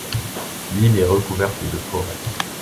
L'île est recouverte de forêt.